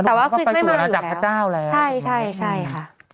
แต่ว่าคริสต์ไม่มาอยู่แล้วจับพระเจ้าแล้วใช่ใช่ใช่ค่ะ